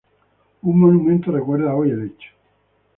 Un monumento recuerda hoy el hecho.